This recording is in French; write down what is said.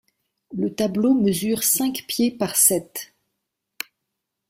Le tableau mesure cinq pieds par sept.